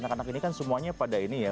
anak anak ini kan semuanya pada ini ya